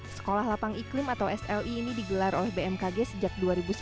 sekolah lapang iklim atau sli ini digelar oleh bmkg sejak dua ribu sepuluh